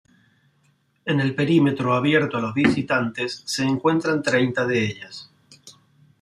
En el perímetro abierto a los visitantes se encuentran treinta de ellas.